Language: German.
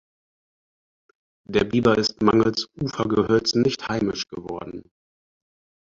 Der Biber ist mangels Ufergehölzen nicht heimisch geworden.